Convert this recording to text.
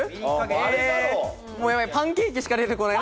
パンケーキしか出てこない。